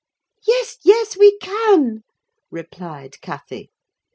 "Yes, yes, we can!" replied Cathy.